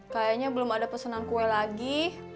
kayaknya belum ada pesanan kue lagi